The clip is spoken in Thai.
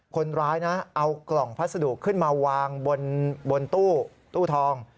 คนร้ายนะเอากล่องพัสดุขึ้นมาวางบนตู้ทอง